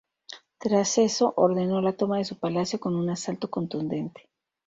Tras eso, ordeno la toma de su palacio con un asalto contundente.